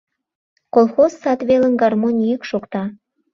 Колхоз сад велым гармонь йӱк шокта.